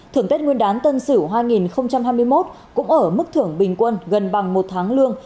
thưởng tết nguyên đán tân sửu hai nghìn hai mươi một cũng ở mức thưởng bình quân gần bằng một tháng lương